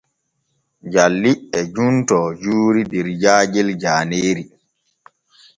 Jalli e juntoo juuri der jaajel jaaneeri.